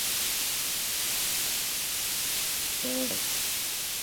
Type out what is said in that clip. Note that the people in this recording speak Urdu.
رہنمائ کے لیے دوسروں کا انتظار کرتا ہوں